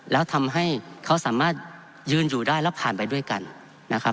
แล้วทำให้เขาสามารถยืนอยู่ได้แล้วผ่านไปด้วยกันนะครับ